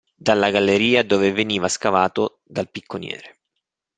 Dalla galleria dove veniva scavato dal picconiere.